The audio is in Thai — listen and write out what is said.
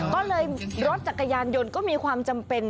ก็เลยรถจักรยานยนต์ก็มีความจำเป็น